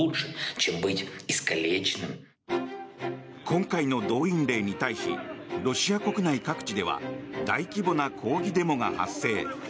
今回の動員令に対しロシア国内各地では大規模な抗議デモが発生。